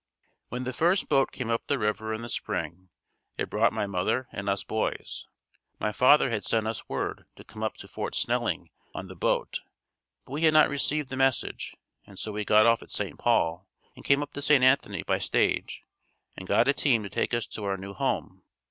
When the first boat came up the river in the spring it brought my mother and us boys. My father had sent us word to come up to Fort Snelling on the boat, but we had not received the message and so got off at St. Paul and came up to St. Anthony by stage and got a team to take us to our new home.